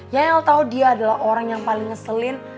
ya el tau dia adalah orang yang paling ngeselin